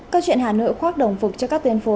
câu chuyện hà nội khoác đồng phục cho các tuyến phố